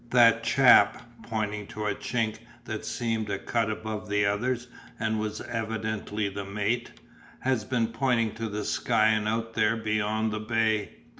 "That chap," pointing to a "chink" that seemed a cut above the others and was evidently the mate, "has been pointing to the sky and out there beyond the bay.